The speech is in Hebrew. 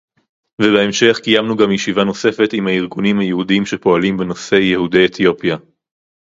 ובהמשך קיימנו גם ישיבה נוספת עם הארגונים היהודיים שפועלים בנושא יהודי אתיופיה